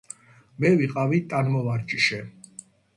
მე ვიყავი ტანმოვარჯიშე